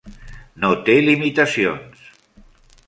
No té limitacions.